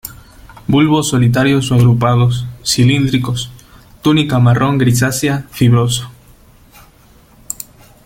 Bulbos solitarios o agrupados, cilíndricos, túnica marrón grisácea, fibroso.